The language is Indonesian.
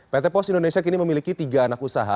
pt pos indonesia kini memiliki tiga anak usaha